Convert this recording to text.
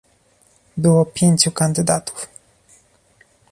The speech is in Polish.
Było pięciu kandydatów